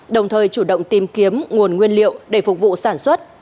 đồng thời chủ động tìm kiếm nguồn nguyên liệu để phục vụ sản xuất